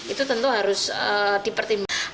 itu tentu harus dipertimbangkan